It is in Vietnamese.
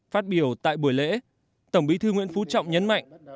phát biểu tại buổi lễ tổng bí thư nguyễn phú trọng nhấn mạnh